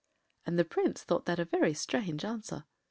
” And the Prince thought that a very strange answer.